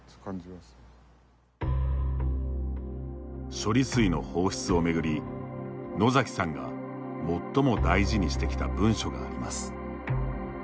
処理水の放出を巡り野崎さんが最も大事にしてきた文書があります。